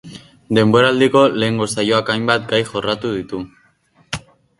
Denboraldiko lehenengo saioak hainbat gai jorratuko ditu.